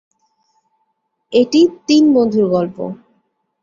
এটি তিন বন্ধুর গল্প।